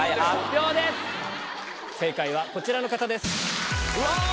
正解はこちらの方です。